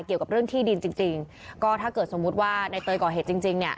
เกี่ยวกับเรื่องที่ดินจริงก็ถ้าเกิดสมมติหนายเตยโกยเหตุจริงเนี่ย